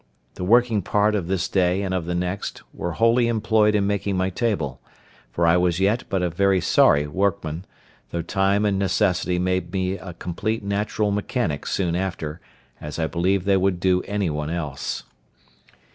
The working part of this day and of the next were wholly employed in making my table, for I was yet but a very sorry workman, though time and necessity made me a complete natural mechanic soon after, as I believe they would do any one else.